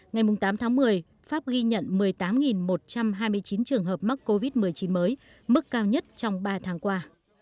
ngày tám tháng một mươi pháp ghi nhận một mươi tám một trăm hai mươi chín trường hợp mắc covid một mươi chín mới mức cao nhất trong ba tháng qua